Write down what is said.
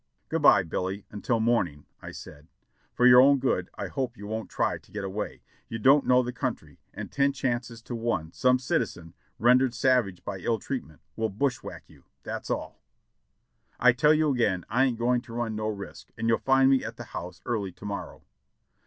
"Good by, Billy, until morning," I said. "For your own good, I hope you won't try to get away. You don't know the country, and ten chances to one some citizen, rendered savage by ill treat ment, will bushwhack you, that's all." "I tell you again, I ain't going to run no risk, and you'll find me at the house early to morrow."